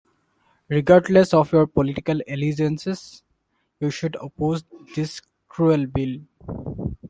Regardless of your political allegiances, you should oppose this cruel bill.